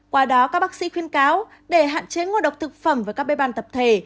qua đó các bác sĩ khuyên cáo để hạn chế ngộ độc thực phẩm và các bê ban tập thể